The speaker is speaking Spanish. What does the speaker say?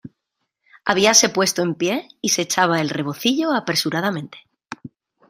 habíase puesto en pie, y se echaba el rebocillo apresuradamente: